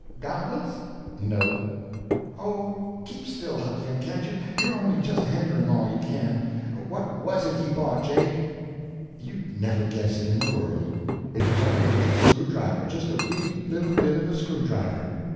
"Goggles?" "No." "Oh, keep still, Huck Finn, can't you, you're only just hendering all you can. What was it he bought, Jake?" "You'd never guess in the world. It was only just a screwdriver—just a wee little bit of a screwdriver."